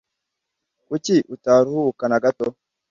kuki utaruhuka na gato